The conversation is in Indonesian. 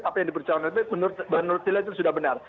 apa yang diperjuangkan oleh habib menurut saya itu sudah benar